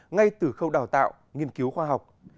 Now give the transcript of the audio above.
ngay từ khâu đào tạo nghiên cứu khoa học